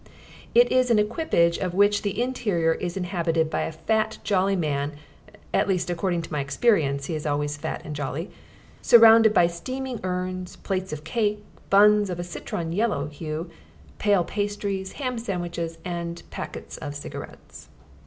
It is an equipage of which the interior is inhabited by a fat, jolly man (at least according to my experience he is always fat and jolly) surrounded by steaming urns, plates of cake, buns of a citron yellow hue, pale pastries, ham sandwiches and packets of cigarettes.